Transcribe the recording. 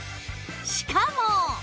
しかも